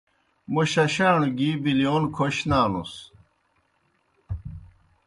موں ششاݨوْ گِی بِلِیون کھوْش نانُس۔